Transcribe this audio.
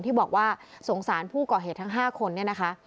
ที่บอกว่าสงสารผู้ก่อเหตุทั้ง๕คนเนี่ยนะคะ